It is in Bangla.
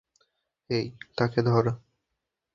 হেই, তাকে ধর!